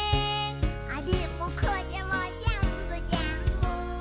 「あれもこれもぜんぶぜんぶ」